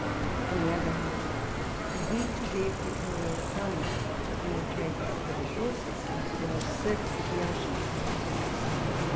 On the other hand, the heat of the Equatorial sun penetrates but a short distance below the surface of the ocean.